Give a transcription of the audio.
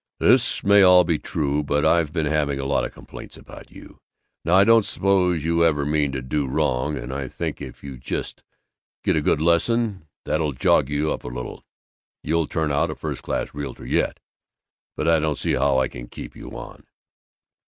This may all be true, but I've been having a lot of complaints about you. Now I don't s'pose you ever mean to do wrong, and I think if you just get a good lesson that'll jog you up a little, you'll turn out a first class realtor yet. But I don't see how I can keep you on."